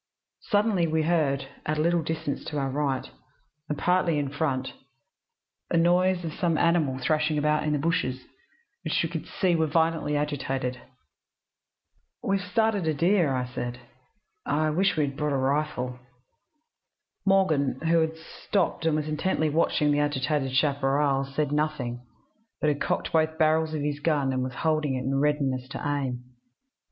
Suddenly, we heard, at a little distance to our right, and partly in front, a noise as of some animal thrashing about in the bushes, which we could see were violently agitated. "'We've started a deer,' said. 'I wish we had brought a rifle.' "Morgan, who had stopped and was intently watching the agitated chaparral, said nothing, but had cocked both barrels of his gun, and was holding it in readiness to aim.